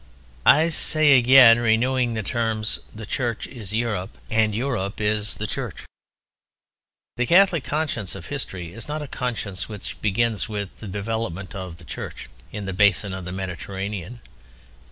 I say again, renewing the terms, The Church is Europe: and Europe is The Church. The Catholic conscience of history is not a conscience which begins with the development of the Church in the basin of the Mediterranean.